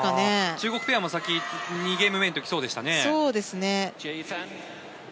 中国ペアも２ゲーム目の時、そうでしたね。